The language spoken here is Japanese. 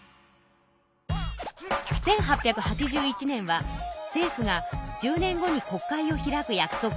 １８８１年は政府が十年後に国会を開く約束をした年。